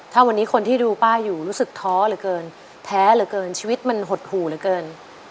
ถ้าวันนี้คนที่ดูป้าอยู่รู้สึกท้อเหลือเกินแท้เหลือเกินชีวิตมันหดหู่เหลือเกิน